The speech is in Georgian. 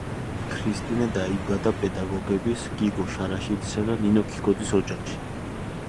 ქრისტინე დაიბადა პედაგოგების, გიგო შარაშიძისა და ნინო ქიქოძის ოჯახში.